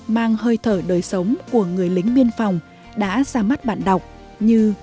mang hơi thở đời sống của người lính biên phòng đã ra mắt bạn đọc như